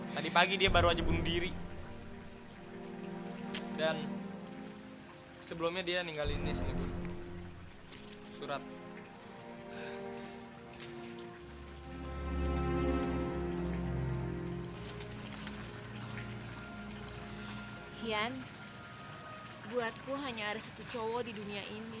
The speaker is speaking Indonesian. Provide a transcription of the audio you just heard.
tadi pagi dia baru aja bunuh diri